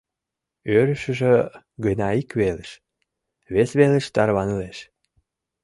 Ӧрышыжӧ гына ик велыш, вес велыш тарванылеш.